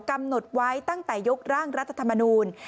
กำหนดไว้ตั้งแต่ยกร่างรัฐธรรมนูล